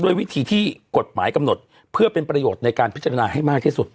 วิธีที่กฎหมายกำหนดเพื่อเป็นประโยชน์ในการพิจารณาให้มากที่สุด